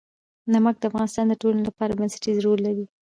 نمک د افغانستان د ټولنې لپاره بنسټيز رول لري.